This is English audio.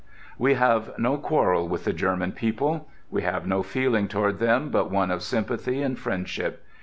"We have no quarrel with the German people. We have no feeling toward them but one of sympathy and friendship.